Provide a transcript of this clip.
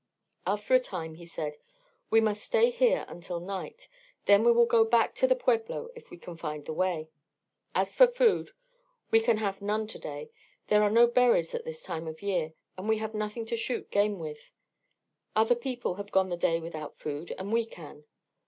After a time he said: "We must stay here until night. Then we will go back to the pueblo if we can find the way. As for food, we can have none to day. There are no berries at this time of year, and we have nothing to shoot game with. Other people have gone the day without food, and we can.